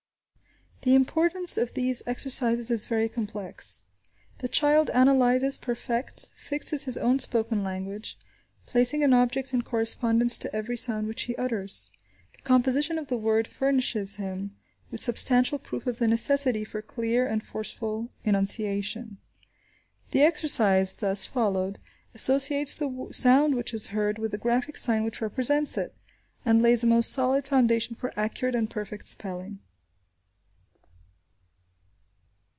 The importance of these exercises is very complex. The child analyses, perfects, fixes his own spoken language,–placing an object in correspondence to every sound which he utters. The composition of the word furnishes him with substantial proof of the necessity for clear and forceful enunciation. The exercise, thus followed, associates the sound which is heard with the graphic sign which represents it, and lays a most solid foundation for accurate and perfect spelling.